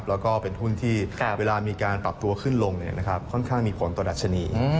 แล้วก็เป็นหุ้นที่เวลามีการปรับตัวขึ้นลงค่อนข้างมีผลต่อดัชนี